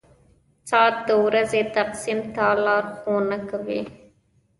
• ساعت د ورځې تقسیم ته لارښوونه کوي.